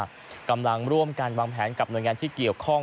กำลังร่วมกันวางแผนกับหน่วยงานที่เกี่ยวข้อง